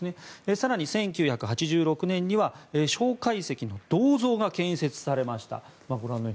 更に、１９８６年には蒋介石の銅像が建設されました。